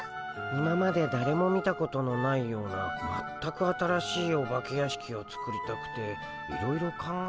今までだれも見たことのないような全く新しいお化け屋敷を作りたくていろいろ考えているんだけど。